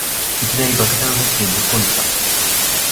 いきなり爆弾発言ぶっこんできた